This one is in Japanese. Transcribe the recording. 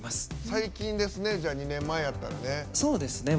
最近ですね２年前やったらね。